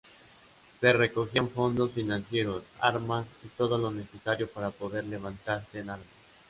Se recogían fondos financieros, armas y todo lo necesario para poder levantarse en armas.